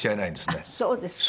あっそうですか。